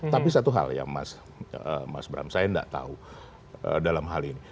tapi satu hal yang mas bram saya tidak tahu dalam hal ini